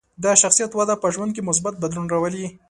د شخصیت وده په ژوند کې مثبت بدلون راولي.